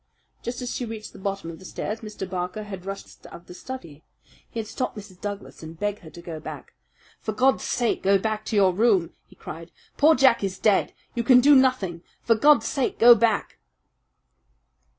Just as she reached the bottom of the stair Mr. Barker had rushed out of the study. He had stopped Mrs. Douglas and begged her to go back. "For God's sake, go back to your room!" he cried. "Poor Jack is dead! You can do nothing. For God's sake, go back!"